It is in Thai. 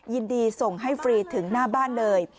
ยินดีส่งให้ฟรีถึงหน้าบ้านเลย